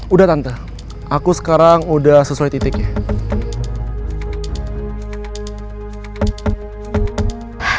udah tante aku sekarang udah sesuai titiknya